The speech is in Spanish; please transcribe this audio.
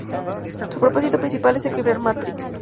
Su propósito principal es equilibrar Matrix.